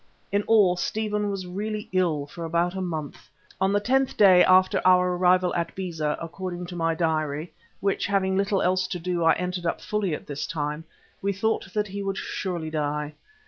In all, Stephen was really ill for about a month. On the tenth day after our arrival at Beza, according to my diary, which, having little else to do, I entered up fully at this time, we thought that he would surely die.